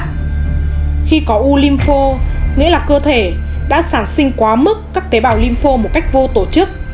khi có u limpho nghĩa là cơ thể đã sản sinh quá mức các tế bào lympho một cách vô tổ chức